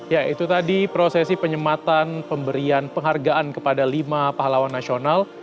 ya itu tadi prosesi penyematan pemberian penghargaan kepada lima pahlawan nasional